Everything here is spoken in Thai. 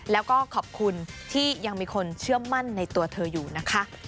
แล้วก็ขอบคุณที่ยังมีคนเชื่อมั่นในตัวเธออยู่นะคะ